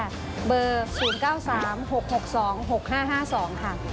ค่ะได้ค่ะเบอร์๐๙๓๖๖๒๖๕๕๒ค่ะ